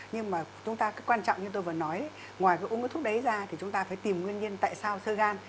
nhưng mà chúng ta có quan trọng như tôi vừa nói ngoài uống cái thuốc đấy ra thì chúng ta phải tìm nguyên nhân tại sao sơ gan